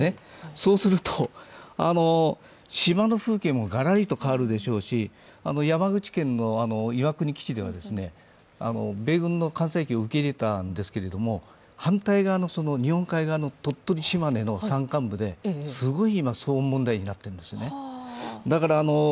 そうすると、島の風景もがらりと変わるでしょうし、山口県の岩国基地では、米軍の艦載機を受け入れたんですけど、反対側の日本海側の鳥取、島根の山間部ですごい今、騒音問題になっているんですね。